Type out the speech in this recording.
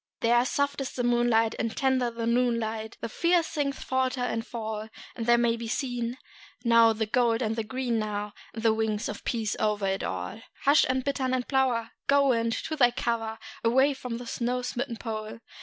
There soft is the moonlight, and tender the noon light; There fiery things falter and fall; And there may be seen, now, the gold and the green, now, And the wings of a peace over all. Hush, bittern and plover! Go, wind, to thy cover Away by the snow smitten Pole!